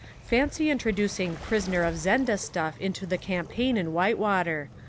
Fancy introducing 'Prisoner of Zenda' stuff into the campaign in Whitewater!